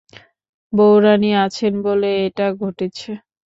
বউরানী আছেন বলে এটা ঘটেছে।